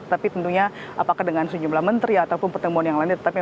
tapi tentunya apakah dengan sejumlah menteri ataupun pertemuan yang lainnya